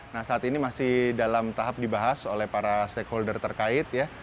nah saat ini masih dalam tahap dibahas oleh para stakeholder terkait ya